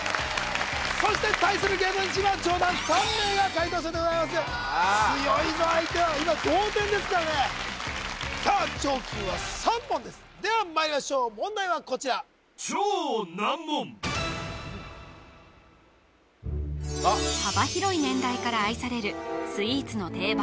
そして対する芸能人チームは上段３名が解答者でございます強いぞ相手は今同点ですからねさあ上級は３問ですではまいりましょう問題はこちら幅広い年代から愛される